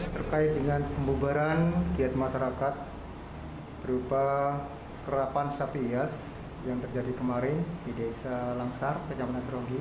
terkait dengan pembubaran lihat masyarakat